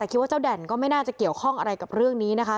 แต่คิดว่าเจ้าแด่นก็ไม่น่าจะเกี่ยวข้องอะไรกับเรื่องนี้นะคะ